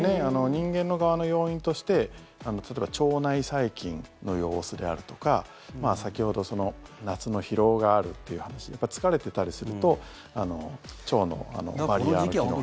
人間の側の要因として例えば腸内細菌の様子であるとか先ほど夏の疲労があるという話やっぱり疲れていたりすると腸のバリアの機能が。